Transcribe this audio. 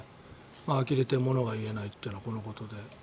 あきれて物が言えないっていうのはこのことで。